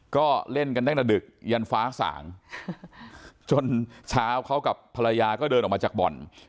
ก็เล่นกันตั้งแต่ดึกยันฟ้าสางจนเช้าเขากับภรรยาก็เดินออกมาจากบ่อน